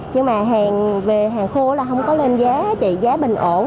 nhưng mà hàng về hàng khô là không có lên giá trị giá bình ổn